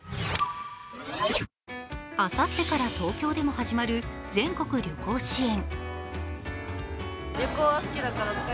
あさってから東京でも始まる全国旅行支援。